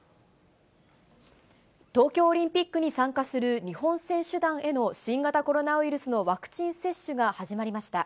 東京オリンピックに参加する日本選手団への新型コロナウイルスのワクチン接種が始まりました。